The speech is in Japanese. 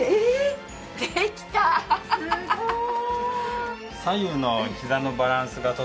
すごい！